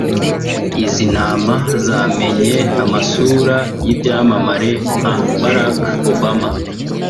Izi ntama zamenye amasura y’ibyamamare nka Barack Obama